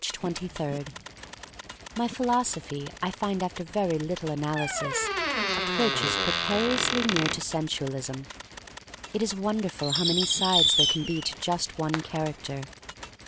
ADatcb 23* MY PHILOSOPHY, I find after very little analysis, approaches precariously near to sensualism. It is wonderful how many sides there can be to just one character.